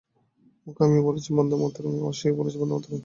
মুখে আমিও বলছি বন্দেমাতরং, আর সেও বলছে বন্দেমাতরং।